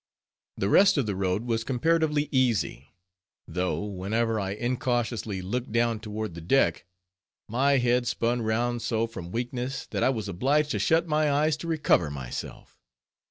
The rest of the road was comparatively easy; though whenever I incautiously looked down toward the deck, my head spun round so from weakness, that I was obliged to shut my eyes to recover myself.